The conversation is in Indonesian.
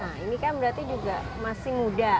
nah ini kan berarti juga masih muda